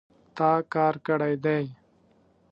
تا کار کړی دی